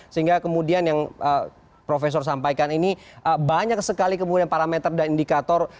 sehingga kemudian yang profesor sampaikan ini banyak sekali kemudian parameter dan indikator